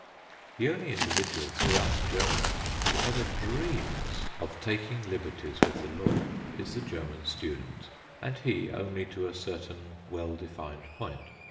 The only individual throughout Germany who ever dreams of taking liberties with the law is the German student, and he only to a certain well defined point.